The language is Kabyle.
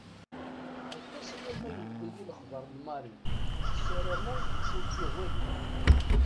Aṭas-aya ma yewweḍ-iyi lexbeṛ n Marie ; ssarameɣ ur tt-yuɣ walu.